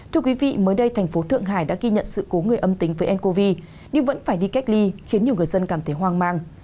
thưa quý vị mới đây thành phố thượng hải đã ghi nhận sự cố người âm tính với ncov nhưng vẫn phải đi cách ly khiến nhiều người dân cảm thấy hoang mang